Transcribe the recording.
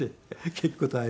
結構大変。